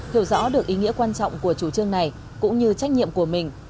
hiểu rõ được ý nghĩa quan trọng của chủ trương này cũng như trách nhiệm của mình